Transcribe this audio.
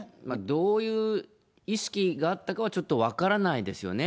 どういう意識があったかは、ちょっと分からないですよね。